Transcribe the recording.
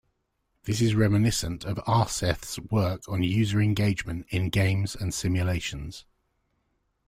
This is reminiscent of Aarseth's work on user engagement in games and simulations.